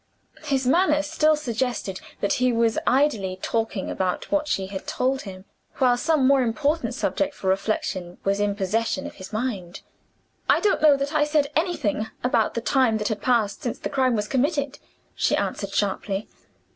His manner still suggested that he was idly talking about what she had told him, while some more important subject for reflection was in possession of his mind. "I don't know that I said anything about the time that had passed since the crime was committed," she answered, sharply.